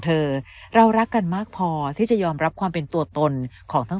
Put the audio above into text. เธอเรารักกันมากพอที่จะยอมรับความเป็นตัวตนของทั้ง